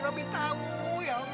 robi tahu ya allah